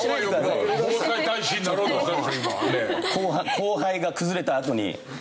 後輩が崩れたあとに。